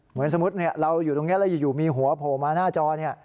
เหมือนสมมุติเราอยู่ตรงนี้แล้วอยู่มีหัวโผล่มาหน้าจอเนี่ย